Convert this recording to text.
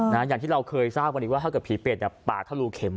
นะอย่างที่เราเคยทราบกันอีกว่าถ้าเกิดผีเปรตแบบปากถ้าลูกเข็ม